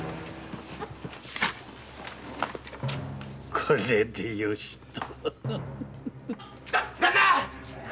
これでよしと。